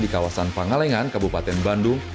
di kawasan pangalengan kabupaten bandung